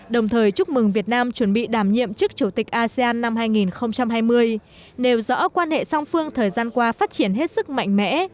đồng thời chúc mừng việt nam chuẩn bị đảm nhiệm chức chủ tịch asean năm hai nghìn hai mươi nêu rõ quan hệ song phương thời gian qua phát triển hết sức mạnh mẽ